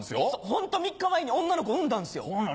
ホント３日前に女の子産んだんですよ。